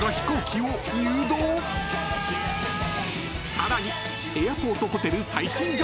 ［さらに］